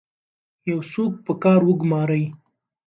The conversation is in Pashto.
یو څوک په کار وګمارئ.